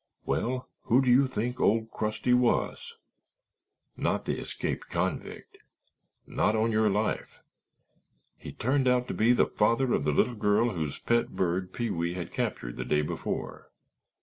"Well, who do you think Old Crusty was?" "Not the escaped convict!" "Not on your life! He turned out to be the father of the little girl whose pet bird Pee wee had captured the day before."